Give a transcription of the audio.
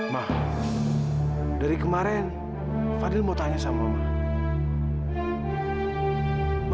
ma dari kemarin fadil mau tanya sama mama